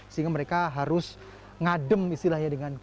sehingga mereka harus ngadem istilahnya dengan